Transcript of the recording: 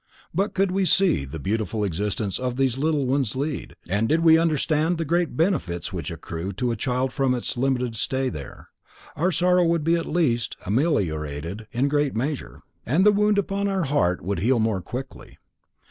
But could we see the beautiful existence which these little ones lead, and did we understand the great benefits which accrue to a child from its limited stay there, our sorrow would be at least ameliorated in a great measure, and the wound upon our heart would heal more quickly.